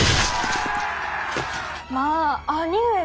まあ兄上が？